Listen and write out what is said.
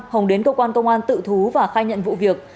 hồng đến cơ quan công an tự thú và khai nhận vụ việc